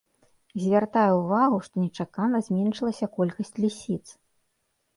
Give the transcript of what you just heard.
Звяртае ўвагу, што нечакана зменшылася колькасць лісіц.